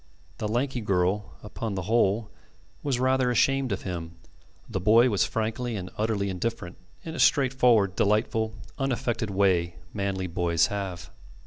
The lanky girl, upon the whole, was rather ashamed of him; the boy was frankly and utterly indifferent in a straightforward, delightful, unaffected way manly boys have.